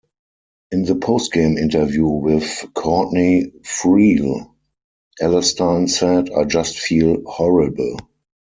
In the post-game interview with Courtney Friel, Alstyne said, I just feel horrible.